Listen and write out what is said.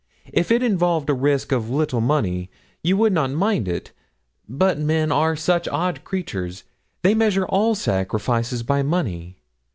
If it involved a risk of a little money, you would not mind it; but men are such odd creatures they measure all sacrifices by money.